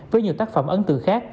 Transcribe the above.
với nhiều tác phẩm ấn tượng khác